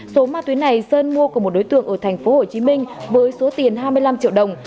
số ma túy này sơn mua của một đối tượng ở tp hồ chí minh với số tiền hai mươi năm triệu đồng